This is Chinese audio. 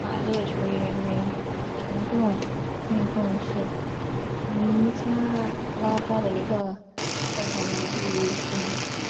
马列主义人民行动运动是尼加拉瓜的一个共产主义政党。